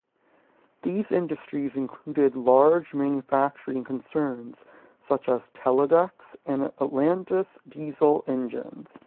These industries included large manufacturing concerns such as Teledex and Atlantis Diesel Engines.